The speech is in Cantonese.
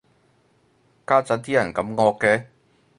家陣啲人咁惡嘅